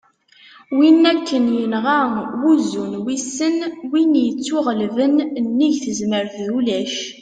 win akken yenɣa "wuzzu n wissen", win ittuɣellben : nnig tezmert d ulac